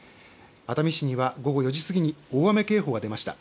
熱海市には午後４時過ぎに大雨警報が出ました。